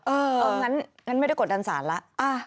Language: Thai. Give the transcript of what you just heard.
งั้นไม่ได้กดดันสารแล้ว